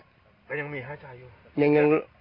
ไม่ยังมีหายใจอยู่